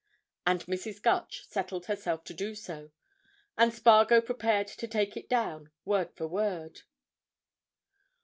And Mrs. Gutch settled herself to do so, and Spargo prepared to take it down, word for word.